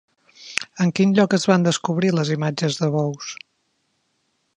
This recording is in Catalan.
En quin lloc es van descobrir les imatges de bous?